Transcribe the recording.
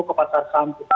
ke pasar saham kita